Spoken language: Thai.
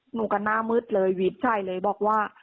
หนูก็หน้ามืดเลยวีดใจเลยบอกว่า